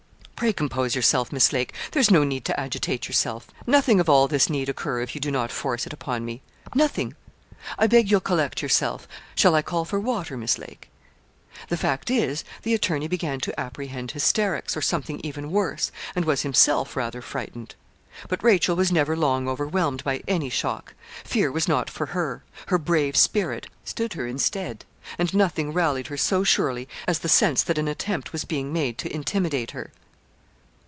'Pray compose yourself, Miss Lake there's no need to agitate yourself nothing of all this need occur if you do not force it upon me nothing. I beg you'll collect yourself shall I call for water, Miss Lake?' The fact is the attorney began to apprehend hysterics, or something even worse, and was himself rather frightened. But Rachel was never long overwhelmed by any shock fear was not for her her brave spirit stood her in stead; and nothing rallied her so surely as the sense that an attempt was being made to intimidate her.